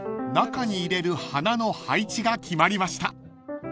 ［中に入れる花の配置が決まりました］